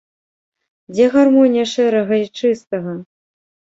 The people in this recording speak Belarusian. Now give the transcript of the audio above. Дзе гармонія шэрага й чыстага?